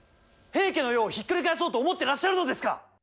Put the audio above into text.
平家の世をひっくり返そうと思ってらっしゃるのですか。